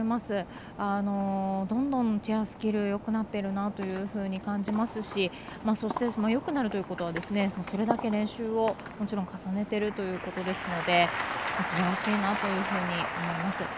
どんどんチェアスキルよくなっているなというふうに感じますしそしてよくなるということはそれだけ練習をもちろん重ねているということですのですばらしいなというふうに思います。